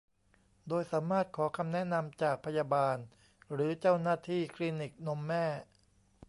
โดยสามารถขอคำแนะนำจากพยาบาลหรือเจ้าหน้าที่คลินิกนมแม่